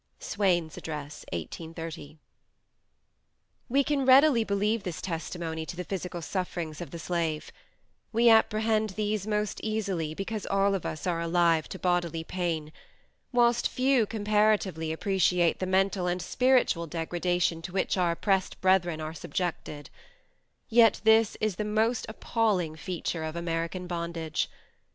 (Swain's Address, 1830.) We can readily believe this testimony to the physical sufferings of the slave: we apprehend these most easily, because all of us are alive to bodily pain, whilst few comparatively appreciate the mental and spiritual degradation to which our oppressed brethren are subjected; yet this is the most appalling feature of American bondage.